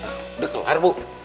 udah kelar bu